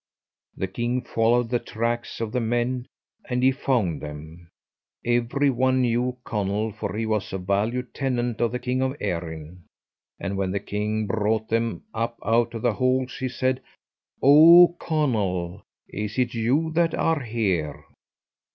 The king followed the tracks of the men, and he found them. Every one knew Conall, for he was a valued tenant of the king of Erin, and when the king brought them up out of the holes he said, "Oh, Conall, is it you that are here?"